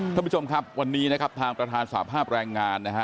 ท่านผู้ชมครับวันนี้ทางประธานสภาพแรงงาน